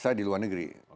saya di luar negeri